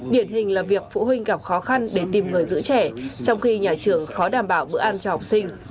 điển hình là việc phụ huynh gặp khó khăn để tìm người giữ trẻ trong khi nhà trường khó đảm bảo bữa ăn cho học sinh